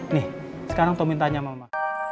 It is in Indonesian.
nih sekarang tommy tanya mama